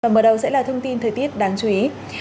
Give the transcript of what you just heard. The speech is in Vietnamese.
mở đầu sẽ là thông tin thời tiết đáng chú ý